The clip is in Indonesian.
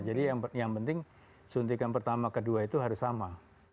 yang penting suntikan pertama kedua itu harus sama